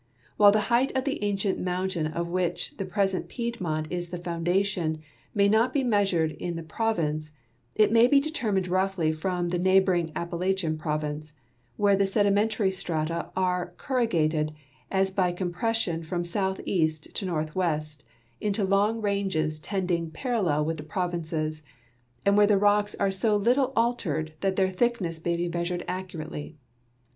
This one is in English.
W'liile tbe height of tbe ancient mountain of which the present I'iedinont is the foundation may not be 2(54 GEOGRAPHIC HISTOR Y OF PIEDMONT PL A TEA U measured in the province, it may be determined roughly from the neighboring Appalachian province, where the sedimentary strata are corrugated as by compression from southeast to north west into long ranges trending parallel with the provinces, and where the rocks are so little altered that their thickness may be measured accurately.